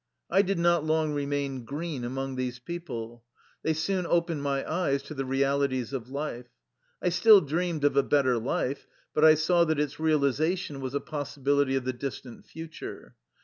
I did not long remain "green'' among these people. They soon opened my eyes to the reali ties of life. I still dreamed of a better life, but I saw that its realization was a possibility of the distant future.